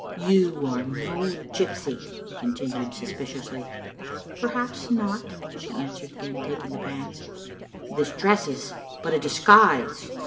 "You are no gypsy," he continued, suspiciously. "Perhaps not," she answered, again taking the pan& " This dress is but a disguise."